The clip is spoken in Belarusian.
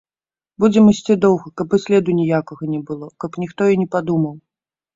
Будзем ісці доўга, каб і следу ніякага не было, каб ніхто і не падумаў.